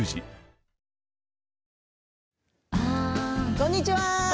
こんにちは。